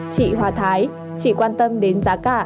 chị hòa thái chỉ quan tâm đến giá cả